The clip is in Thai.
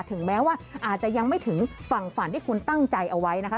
ถึงแม้ว่าอาจจะยังไม่ถึงฝั่งฝันที่คุณตั้งใจเอาไว้นะคะ